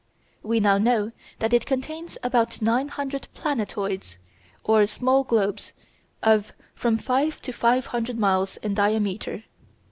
We now know that it contains about nine hundred "planetoids," or small globes of from five to five hundred miles in diameter.